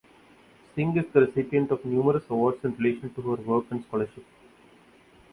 Singh is the recipient of numerous awards in relation to her work and scholarship.